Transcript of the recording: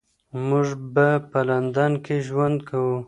موږ به په لندن کې ژوند کوو.